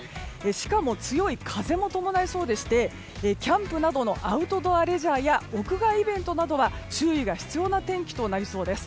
しかも強い風も伴いそうでしてキャンプなどのアウトドアレジャーや屋外イベントなどは注意が必要な天気となりそうです。